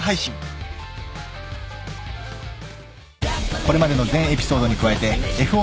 ［これまでの全エピソードに加えてＦＯＤ